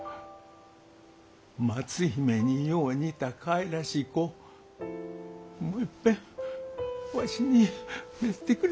松姫によう似たかいらしい子もういっぺんわしに見せてくれ。